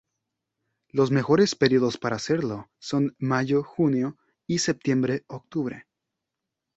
Los mejores períodos para hacerlo son mayo-junio y septiembre-octubre.